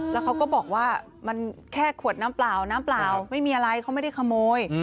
แล้วเขาก็บอกว่ามันแค่ขวดน้ำเปล่าน้ำเปล่าไม่มีอะไรเขาไม่ได้ขโมย